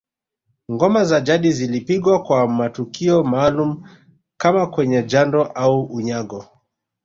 Ngoma za jadi zilipigwa kwa matukio maalumu kama kwenye jando au unyago